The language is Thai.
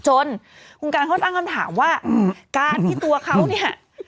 จนคุณการเขาตั้งคำถามว่าการที่ตัวเขาเนี่ย